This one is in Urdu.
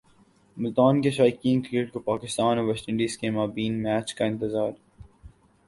ملتان کے شائقین کرکٹ کو پاکستان اور ویسٹ انڈیز کے مابین میچ کا انتظار